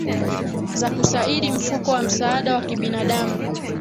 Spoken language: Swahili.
za kusaidi mfuko wa msaada wa kibinadamu